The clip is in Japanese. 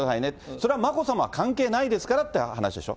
それは眞子さまは関係ないですからっていう話でしょ。